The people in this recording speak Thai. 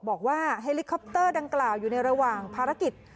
เฮลิคอปเตอร์ดังกล่าวอยู่ในระหว่างภารกิจ